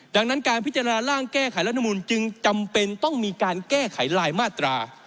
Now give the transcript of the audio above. ดังนั้นการพิจารณาร่างแก้ไขรัฐมนุนจึงจำเป็นต้องมีการแก้ไขลายมาตรา